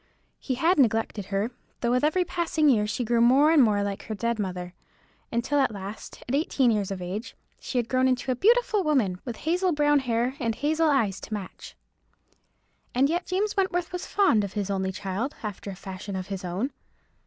He had neglected her, though with every passing year she grew more and more like her dead mother, until at last, at eighteen years of age, she had grown into a beautiful woman, with hazel brown hair, and hazel eyes to match. And yet James Wentworth was fond of his only child, after a fashion of his own.